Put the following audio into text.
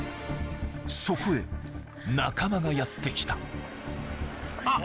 そこへ仲間がやって来たあっ！